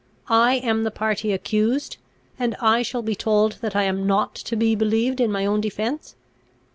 I am the party accused, and I shall be told that I am not to be believed in my own defence.